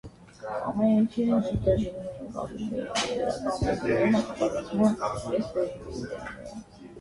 Ամեն ինչի հետ մեկտեղ գնում էին կապիկներին տիեզերական մոդուլներին նախապատրաստման էքսպերիմետնները։